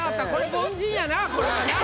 凡人やなこれは。